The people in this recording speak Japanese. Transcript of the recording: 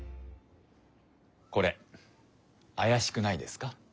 これあやしくないですか？